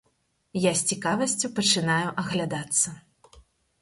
Я з цікавасцю пачынаю аглядацца.